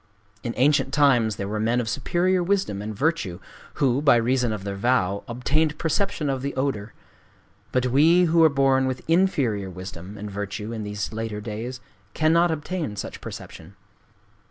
_' In ancient times there were men of superior wisdom and virtue who, by reason of their vow, obtained perception of the odor; but we, who are born with inferior wisdom and virtue in these later days, cannot obtain such perception.